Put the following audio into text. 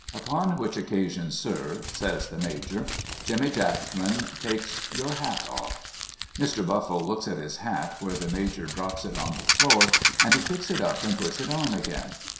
Upon which occasion sir,' says the Major, 'Jemmy Jackman takes your hat off,' Mr. Ruffle looks at his hat where the Major droi)s it on the floor, and he ])icks it up and puts it on again.